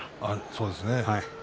そうですね。